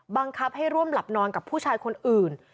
บังคับให้ร่วมหลับนอนกับผู้ชายคนอื่น